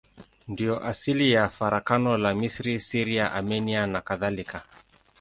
Ndiyo asili ya farakano la Misri, Syria, Armenia nakadhalika.